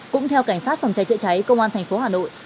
cũng theo cảnh sát phòng cháy chữa cháy công an thành phố hà nội